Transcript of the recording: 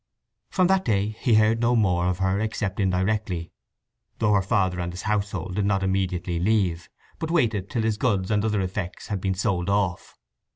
From that day he heard no more of her except indirectly, though her father and his household did not immediately leave, but waited till his goods and other effects had been sold off.